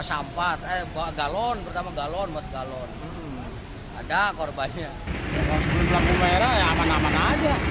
kalau sebelum lampu merah ya aman aman aja